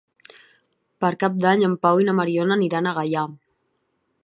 Per Cap d'Any en Pau i na Mariona aniran a Gaià.